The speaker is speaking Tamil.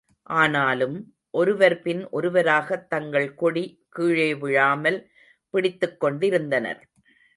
ஆனாலும், ஒருவர் பின் ஒருவராகத் தங்கள் கொடி கீழே விழாமல் பிடித்துக் கொண்டிருந்தனர்.